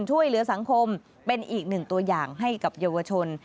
ช่วยเหลือสังคมเป็นอีกหนึ่งตัวอย่างให้กับเยาวชน